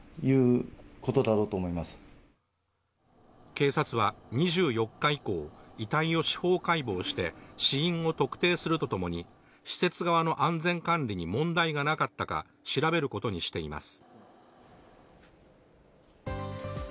警察は２４日以降、遺体を司法解剖して死因を特定するとともに、施設側の安全管理に問題がなかったか調べることにしています。